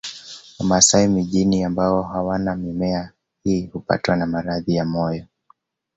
Wamasai mijini ambao hawana mimea hii hupatwa na maradhi ya moyo